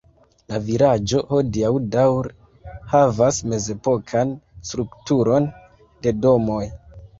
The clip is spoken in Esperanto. La vilaĝo hodiaŭ daŭre havas mezepokan strukturon de domoj.